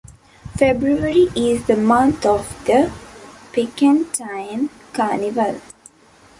February is the month of the Picentine Carnival.